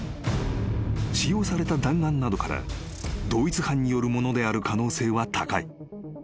［使用された弾丸などから同一犯によるものである可能性は高い］